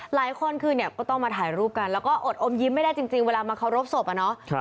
หลายคนคือเนี่ยก็ต้องมาถ่ายรูปกันแล้วก็อดอมยิ้มไม่ได้จริงเวลามาเคารพศพอะเนาะ